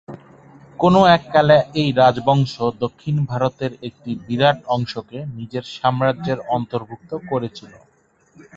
কোন এককালে এই রাজবংশ দক্ষিণ ভারতের একটি বিরাট অংশকে নিজের সাম্রাজ্যের অন্তর্ভুক্ত করেছিল।